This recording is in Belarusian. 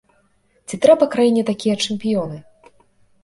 Ці трэба краіне такія чэмпіёны?